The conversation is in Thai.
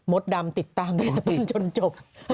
มดดำติดตามตั้งแต่ต้นจนจบ